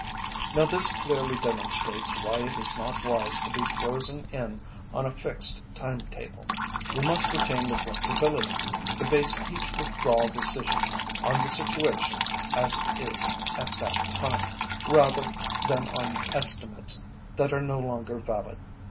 Now this clearly demonstrates why it is not wise to be frozen in on a fixed timetable. We must retain the flexibility to base each withdrawal decision on the situation as it is at that time, rather than on estimates that are no longer valid.